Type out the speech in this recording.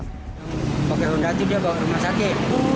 pake honda itu dia bawa rumah sakit